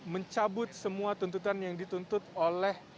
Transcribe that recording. mencabut semua tuntutan yang dituntut oleh